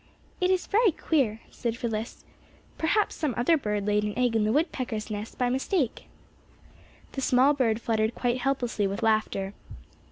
"It is very queer," said Phyllis. "Perhaps some other bird laid an egg in the woodpeckers' nest by mistake." The small bird fluttered quite helplessly with laughter.